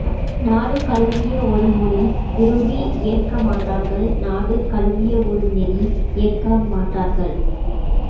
நாடு தழுவிய ஒரு மொழி விரும்பி ஏற்கமாட்டார்கள் நாடு தழுவிய ஒரு நெறி ஏற்கமாட்டார்கள்.